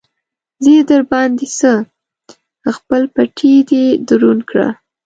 زه يې در باندې څه؟! خپل پټېی دې دروند کړ.